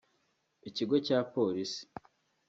Ikigo cya polisi